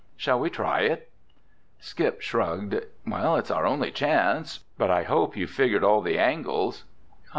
Shall we try it?" Skip shrugged. "If it's our only chance. But I hope you've figured all the angles!"